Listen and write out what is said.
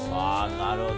なるほど。